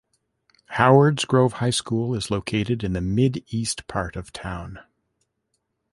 Howards Grove High School is located in the mid-east part of town.